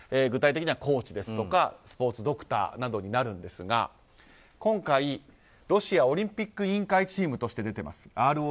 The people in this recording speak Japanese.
具体的にはコーチですとかスポーツドクターなどになるんですが今回、ロシアオリンピック委員会として出ています。